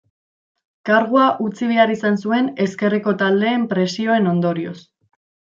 Kargua utzi behar izan zuen ezkerreko taldeen presioen ondorioz.